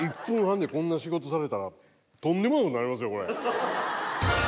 １分半でこんな仕事されたらとんでもないことになりますよこれ。